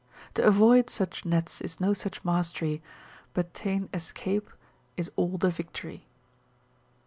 To avoid such nets is no such mastery, But ta'en escape is all the victory.